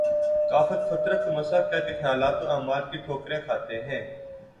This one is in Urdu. کافر فطرت کو مسخ کر کے خیالات و اعمال کی ٹھوکریں کھاتے ہیں